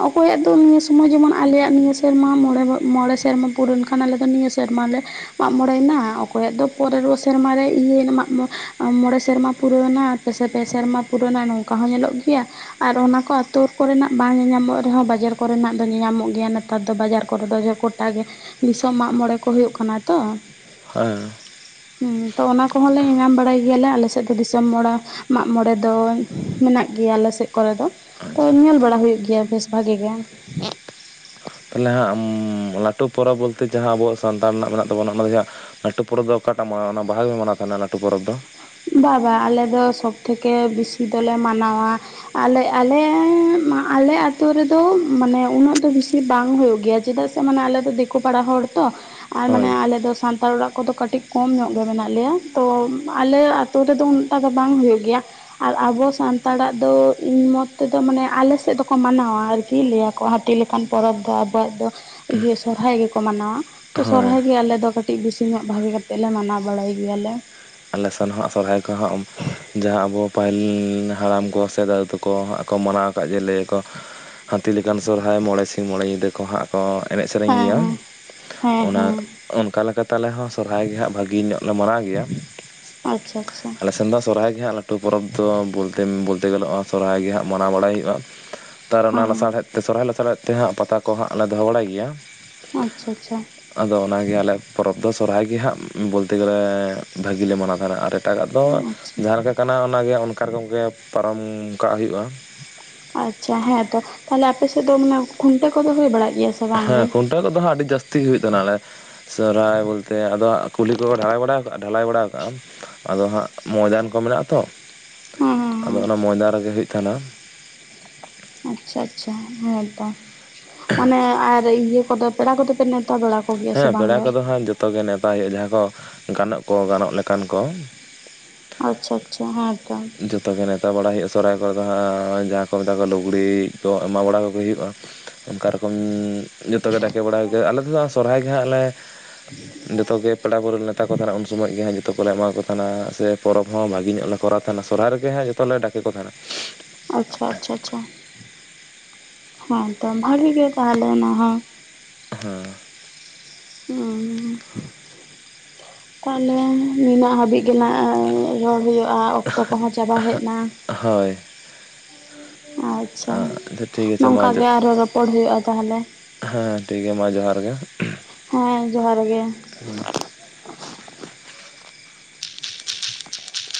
ᱚᱠᱚᱭᱟᱜ ᱫᱚ ᱱᱤᱭᱟᱹ ᱥᱩᱢᱟᱹᱭ ᱡᱮᱢᱚᱱ ᱟᱞᱮᱭᱟᱜ ᱱᱤᱭᱟᱹ ᱥᱮᱨᱢᱟ ᱢᱚᱬᱮ ᱥᱮᱨᱢᱟ ᱯᱩᱨᱱ ᱠᱟᱱ ᱟᱞᱮ ᱫᱚ ᱱᱤᱭᱟᱹ ᱥᱮᱨᱮᱢᱟ ᱞᱮ ᱢᱟᱜ ᱢᱚᱬᱮᱱᱟ ᱚᱠᱚᱭᱟᱜ ᱫᱚ ᱯᱚᱨᱮᱨ ᱨᱮ ᱥᱮᱨᱢᱟᱨᱮ ᱤᱭᱟᱹᱭᱮᱱᱟ ᱢᱟᱜ ᱢᱚᱬᱮ ᱢᱚᱬᱮ ᱥᱮᱨᱢᱟ ᱯᱩᱨᱟᱹᱱᱟ ᱯᱮ ᱥᱮᱨᱢᱟ ᱯᱩᱨᱟᱹᱱᱟ ᱱᱚᱝᱠᱟ ᱦᱚᱸ ᱧᱮᱞᱚᱜ ᱜᱮᱭᱟ᱾ ᱟᱨ ᱚᱱᱟ ᱠᱚ ᱟᱹᱛᱳ ᱠᱚᱨᱮᱱᱟᱜ ᱵᱟᱝ ᱧᱮᱧᱟᱢᱚᱜ ᱨᱮ ᱦᱚᱸ ᱵᱟᱡᱟᱨ ᱠᱚᱨᱮᱱᱟᱜ ᱫᱚ ᱧᱮᱧᱟᱢᱚᱜ ᱜᱮᱭᱟ ᱱᱮ ᱛᱟᱨ ᱫᱚ ᱵᱟᱡᱟᱨ ᱠᱚᱨᱮ ᱫᱚ ᱜᱚᱴᱟ ᱜᱮ ᱫᱤᱥᱚᱢ ᱢᱟᱜ ᱢᱚᱬᱮ ᱠᱚ ᱦᱳᱭᱳᱜ ᱠᱟᱱᱟ ᱛᱚ [inaudible] ᱦᱩᱸ ᱛᱚ ᱚᱱᱟ ᱠᱚᱦᱚᱸ ᱞᱮ ᱧᱮᱧᱟᱢ ᱵᱟᱲᱟᱭ, ᱜᱮᱭᱟ ᱞᱮ ᱟᱞᱮ ᱥᱮᱫ ᱫᱚ ᱫᱤᱥᱚᱢ ᱢᱚᱬᱮ ᱢᱟᱜ ᱢᱚᱬᱮ ᱫᱚ ᱢᱮᱱᱟᱜ ᱜᱮᱭᱟ ᱟᱞᱮ ᱥᱮᱫ ᱠᱚᱨᱮ ᱫᱚ ᱾ ᱛᱚ ᱟᱪᱪᱷᱟ ᱧᱮᱞ ᱵᱟᱲᱟ ᱦᱳᱭᱳᱜ ᱜᱮᱭᱟ ᱵᱮᱥ ᱵᱷᱟᱜᱮ ᱜᱮ, ᱛᱟᱦᱞᱮ ᱦᱟᱸᱜ ᱞᱟᱹᱴᱩ ᱯᱚᱨᱚᱵᱽ ᱵᱚᱞ ᱛᱮ ᱡᱟᱦᱟᱸ ᱟᱵᱚᱣᱟᱜ ᱥᱟᱱᱛᱟᱲ ᱨᱮᱱᱟᱜ ᱢᱮᱱᱟᱜ ᱛᱟᱵᱚᱱᱟ ᱚᱱᱟ ᱫᱚ ᱦᱟᱸᱜ ᱞᱟᱹᱴᱩ ᱯᱚᱨᱚᱵᱽ ᱫᱚ ᱚᱠᱟᱴᱟᱜ ᱢᱟᱲᱟᱝ ᱚᱱᱟ ᱵᱟᱦᱟ ᱜᱮ ᱢᱟᱱᱟᱣ ᱛᱟᱦᱮᱱᱟ ᱞᱟᱹᱴᱩ ᱯᱚᱨᱚᱵᱽ ᱫᱚ ᱵᱟ ᱵᱟ ᱟᱞᱮ ᱫᱚ ᱥᱚᱵᱽ ᱛᱷᱮᱠᱮ ᱵᱤᱥᱤ ᱫᱚᱞᱮ ᱢᱟᱱᱟᱣᱟ ᱟᱞᱮ ᱟᱞᱮ ᱢᱟ ᱟᱛᱳ ᱨᱮᱫᱚ ᱢᱟᱱᱮ ᱩᱱᱟᱹᱜ ᱫᱚ ᱵᱤᱥᱤ ᱵᱟᱝ ᱦᱳᱭᱳᱜ ᱜᱮᱭᱟ ᱪᱮᱫᱟᱜ ᱥᱮ ᱢᱟᱱᱮ ᱟᱞᱮ ᱫᱚ ᱫᱤᱠᱳ ᱯᱟᱲᱟ ᱦᱚᱲ ᱛᱚ, ᱟᱨ ᱢᱟᱱᱮ ᱦᱳᱭ ᱟᱞᱮ ᱫᱚ ᱥᱟᱱᱛᱟᱲ ᱚᱲᱟᱜ ᱠᱚ ᱫᱚ ᱠᱟᱹᱴᱤᱡ ᱠᱚᱢ ᱧᱚᱜ ᱜᱮ ᱢᱮᱱᱟᱜ ᱞᱮᱭᱟ ᱛᱚ, ᱟᱞᱮ ᱟᱛᱳ ᱨᱮ ᱫᱚ ᱩᱱᱟᱹᱴᱟᱜ ᱫᱚ ᱵᱟᱝ ᱦᱳᱭᱳᱜ ᱜᱮᱭᱟ ᱾ ᱟᱨ ᱟᱵᱚ ᱥᱟᱱᱛᱟᱲᱟᱜ ᱫᱚ ᱤᱧ ᱢᱚᱛ ᱛᱮ ᱫᱚ ᱢᱟᱱᱮ ᱟᱞᱮ ᱥᱮᱫ ᱫᱚ ᱠᱚ ᱢᱟᱱᱟᱣᱟ ᱟᱨᱠᱤ ᱞᱟᱹᱭᱟ ᱠᱚ, ᱦᱩᱛᱤ ᱞᱮᱠᱟᱱ ᱯᱚᱨᱚᱵᱽ ᱫᱚ ᱟᱵᱚᱣᱟᱜ ᱫᱚ ᱥᱚᱨᱦᱟᱭ ᱜᱮ ᱠᱚ ᱢᱟᱱᱟᱣᱟ ᱾ ᱛᱚ ᱦᱳᱭ ᱥᱚᱨᱦᱟᱭ ᱜᱮ ᱟᱞᱮ ᱫᱚ ᱠᱟᱹᱴᱤᱡ ᱵᱮᱥᱤ ᱧᱚᱜ ᱵᱷᱟᱜᱮ ᱠᱟᱛᱮ ᱞᱮ ᱢᱟᱱᱟᱣ ᱵᱟᱲᱟᱭ ᱜᱮᱭᱟ ᱞᱮ ᱾ ᱟᱞᱮ ᱥᱮᱱ ᱦᱚᱸ ᱥᱚᱨᱚᱦᱟᱭ ᱠᱚ ᱦᱚᱸ ᱡᱟᱦᱟᱸ ᱟᱵᱚ ᱯᱟᱹᱦᱤᱞ ᱦᱟᱲᱟᱢ ᱠᱚ ᱥᱮ ᱫᱮ ᱫᱟᱹᱩ ᱛᱟᱠᱚ ᱦᱟᱸᱜ ᱠᱚ ᱢᱟᱱᱟᱣ ᱫᱟᱫᱩ ᱛᱟᱠ ᱦᱟᱸᱠ ᱢᱟᱱᱟᱣ ᱟᱠᱟᱫ ᱡᱮ ᱞᱟᱹᱭᱟᱠᱚ ᱦᱟᱹᱛᱤ ᱞᱮᱠᱟᱱ ᱥᱚᱨᱦᱟᱭ ᱢᱚᱬᱮ ᱥᱤᱧ ᱢᱚᱬᱮ ᱧᱤᱫᱟᱹ ᱠᱚ ᱦᱟᱸᱜ, ᱠᱚ ᱮᱱᱮᱡ ᱥᱮᱨᱮᱧ ᱦᱮᱸ ᱜᱮᱭᱟ, ᱦᱮᱸ ᱦᱮᱸ ᱚᱱᱟ ᱦᱮᱸ ᱚᱱᱠᱟ ᱞᱮᱠᱟ ᱛᱮ ᱟᱞᱮ ᱦᱚᱸ ᱥᱚᱨᱦᱟᱭ ᱜᱮ ᱦᱟᱸᱜ ᱵᱷᱟᱹᱜᱮ ᱧᱚᱜ ᱞᱮ ᱢᱟᱱᱟᱟᱣ ᱜᱮᱭᱟ ᱾ ᱟᱪᱷᱟ ᱟᱪᱷᱟ, ᱫᱚ ᱥᱚᱨᱦᱟᱭ ᱜᱮ ᱦᱟᱸᱜ ᱞᱟᱹᱴᱩ ᱯᱚᱨᱚᱵᱽ ᱫᱚ ᱵᱳᱞᱛᱮ ᱵᱳᱞᱛᱮ ᱥᱚᱨᱦᱟᱭ ᱜᱮ ᱦᱟᱸᱜ ᱢᱟᱱᱟᱣ ᱵᱟᱲᱟᱭ ᱦᱯᱭᱳᱜᱼᱟ ᱾ ᱛᱟᱨ ᱚᱱᱟ ᱦᱮᱸ ᱞᱟᱥᱟᱲᱦᱮᱫ ᱛᱮ ᱥᱚᱨᱦᱟᱭ ᱞᱟᱥᱟᱲᱦᱮᱫ ᱛᱮ ᱦᱟᱸᱜ ᱯᱟᱛᱟ ᱠᱚ ᱦᱟᱸᱜ ᱞᱮ ᱫᱚ ᱦᱚᱸ ᱵᱟᱲᱟᱭ ᱜᱮᱭᱟ ᱾ ᱟᱪᱷᱟ ᱟᱪᱷᱟ, ᱟᱫᱚ ᱚᱱᱟ ᱜᱮ ᱟᱞᱮ ᱯᱚᱨᱚᱵᱽ ᱫᱚ ᱥᱚᱨᱦᱟᱭ ᱜᱮ ᱦᱟᱸᱜ ᱵᱳᱞᱛᱮ ᱜᱮᱞᱮ ᱵᱷᱟᱹᱜᱤᱞᱮ ᱢᱟᱱᱟᱣ ᱛᱟᱦᱮᱱᱟ ᱟᱨ ᱮᱴᱟᱜᱟᱜ ᱫᱚ ᱟᱪᱪᱷᱟ ᱡᱟᱦᱟᱸ ᱞᱮᱠᱟ ᱠᱟᱱᱟ ᱚᱱᱟᱜᱮ ᱚᱱᱠᱟ ᱨᱚᱝ ᱜᱮ ᱯᱟᱨᱚᱢ ᱠᱟᱜ ᱦᱩᱭᱩᱜᱼᱟ ᱾ ᱟᱪᱷᱟ ᱦᱮᱸ ᱛᱚ ᱛᱟᱦᱚᱞᱮ ᱟᱯᱮ ᱥᱮᱫ ᱫᱚ ᱢᱟᱱᱮ ᱠᱷᱩᱱᱴᱟᱹ ᱠᱚ ᱫᱚ ᱦᱩᱭ ᱵᱟᱲᱟᱜ ᱜᱮᱭᱟ? ᱥᱮ ᱵᱟᱝ ᱦᱮᱸ ᱜᱮ ᱠᱷᱩᱱᱴᱟᱹᱣ ᱠᱚᱫᱚ ᱫᱚ ᱦᱟᱸᱜ ᱟᱹᱰᱤ ᱡᱟᱹᱥᱛᱤ ᱜᱮ ᱦᱩᱭᱩᱜ ᱛᱟᱱᱟ ᱟᱞᱮ ᱥᱚᱨᱚᱦᱟᱭ ᱵᱚᱞᱛᱮ ᱟᱫᱚ ᱠᱩᱞᱦᱤ ᱠᱚ ᱠᱚ ᱰᱷᱟᱞᱟᱭ ᱵᱟᱲᱟ ᱠᱟᱜᱼᱟ ᱰᱷᱟᱞᱟᱭ ᱵᱟᱲᱟ ᱠᱟᱜᱼᱟ ᱾ ᱟᱫᱚ ᱦᱟᱸᱜ ᱢᱚᱭᱫᱟᱱ ᱠᱚ ᱢᱮᱱᱟᱜ ᱟᱛᱚ ᱦᱮᱸ ᱦᱮᱸ ᱟᱫᱚ ᱚᱱᱟ ᱦᱮᱸ ᱢᱚᱭᱫᱟᱱ ᱨᱮᱜᱮ ᱦᱩᱭᱩᱜ ᱛᱟᱦᱮᱱᱟ ᱾ ᱟᱪᱷᱟ ᱟᱪᱷᱟ ᱦᱮᱸᱛᱚ, ᱢᱟᱱᱮ ᱟᱨ ᱤᱭᱟᱹ ᱠᱚ ᱫᱚ ᱯᱮᱲᱟ ᱠᱚᱫᱚ ᱯᱮ ᱛᱟ ᱵᱟᱲᱟ ᱠᱚᱜᱮᱭᱟ ᱥᱮ ᱦᱮᱸ ᱵᱟᱝ ᱯᱮᱲᱟ ᱜᱮ? ᱠᱚᱫᱚ ᱦᱟᱸᱜ ᱡᱚᱛᱚ ᱜᱮ ᱱᱮᱣᱛᱟ ᱦᱳᱭᱳᱜᱼᱟ ᱡᱟᱦᱟᱸ ᱠᱚ ᱜᱟᱱᱚᱜ ᱠᱚ ᱜᱟᱱᱚᱜ ᱞᱮᱠᱟᱱ ᱠᱚ ᱟᱪᱷᱟ ᱟᱪᱷᱟ ᱦᱮᱸ, [inaudible] ᱡᱚᱛᱚ ᱜᱮ ᱱᱮᱣᱛᱟ ᱵᱟᱲᱟ ᱦᱳᱭᱳᱜᱼᱟ ᱥᱚᱨᱟᱟᱭ ᱠᱚᱨᱮ ᱫᱚ ᱦᱟᱸᱜ ᱡᱟᱦᱟᱸ ᱠᱚ ᱢᱮᱛᱟ ᱠᱚᱣᱟ ᱞᱩᱜᱽᱲᱤᱡ ᱠᱚ ᱮᱢᱟ ᱵᱟᱲᱟ ᱠᱚᱜᱮ ᱦᱳᱭᱳᱜᱼᱟ ᱚᱝᱠᱟ ᱨᱚᱠᱚᱢ ᱡᱚᱛᱚ ᱜᱮ ᱰᱟᱠᱮ ᱵᱟᱲᱟᱭ ᱜᱮ ᱟᱞᱮ ᱛᱮ ᱫᱚ ᱥᱚᱨᱦᱟᱭ ᱜᱮᱦᱟᱸᱜ ᱞᱮ, ᱡᱚᱛᱚ ᱜᱮ ᱯᱮᱲᱟ ᱯᱟᱹᱲᱦᱟᱹ ᱠᱚᱹ ᱱᱮᱣᱛᱟ ᱠᱚ ᱛᱟᱦᱮᱱᱟ ᱩᱱ ᱥᱩᱢᱟᱹᱜ ᱜᱮ ᱦᱟᱸᱜ ᱡ ᱡᱚᱛᱚ ᱠᱚᱞᱮ ᱮᱢᱟ ᱠᱚ ᱛᱟᱦᱮᱱᱟ ᱥᱮ ᱯᱚᱨᱚᱵᱽ ᱦᱚᱸ ᱵᱷᱟᱹᱜᱮ ᱧᱚᱜ ᱞᱮ ᱠᱚᱨᱟᱣ ᱛᱟᱦᱮᱱᱟ ᱥᱚᱨᱦᱟᱭ ᱨᱮ ᱜᱮ ᱦᱟᱸᱜ ᱡᱚᱛᱚ ᱞᱮ ᱰᱟᱠᱮ ᱠᱚ ᱛᱟᱦᱮᱱᱟ ᱾ ᱟᱪᱪᱷᱟ ᱟᱪᱪᱷᱟ ᱟᱪᱪᱷᱟ, ᱦᱮᱸ ᱛᱚ ᱵᱷᱟᱜᱤ ᱜᱮ ᱛᱟᱦᱞᱮ ᱚᱱᱟ ᱦᱚᱸ, ᱩᱸᱻ ᱛᱟᱦᱞᱮ ᱱᱤᱱᱟᱹᱜ ᱦᱟᱹᱵᱤᱡ ᱜᱮ ᱱᱟ ᱨᱚᱲ ᱦᱳᱭᱳᱜᱼᱟ, ᱚᱠᱛᱚ ᱠᱚᱦᱚᱸ ᱪᱟᱵᱟ ᱦᱮᱜᱱᱟ᱾ ᱦᱳᱭ᱾ ᱟᱪᱪᱷᱟ ᱴᱷᱤᱠ ᱟᱪᱷᱮ ᱢᱟ ᱱᱚᱝᱠᱟ ᱜᱮ ᱟᱨᱦᱚᱸ ᱨᱚᱯᱚᱲ ᱦᱳᱭᱳᱜᱼᱟ ᱛᱟᱦᱚᱞᱮ᱾ ᱦᱮᱸ ᱴᱷᱤᱠ ᱜᱮ ᱢᱟ ᱡᱚᱦᱟᱨ ᱜᱮ᱾ ᱦᱮᱸ ᱡᱚᱦᱟᱨ ᱜᱮ᱾